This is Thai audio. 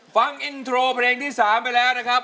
ฟังอินโทรเพลงที่๓ไปแล้วนะครับ